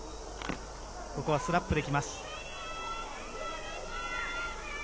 ここはスラップできます。